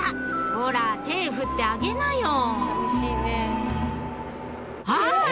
ほら手振ってあげなよあっ‼